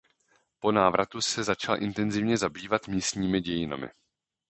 Po návratu se začal intenzivně zabývat místními dějinami.